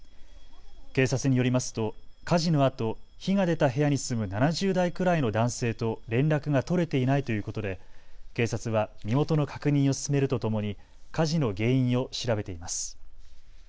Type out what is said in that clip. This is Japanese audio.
警察によりますと火事のあと火が出た部屋に住む７０代くらいの男性と連絡が取れていないということで警察は身元の確認を進めるとともに火事の原因を調べています。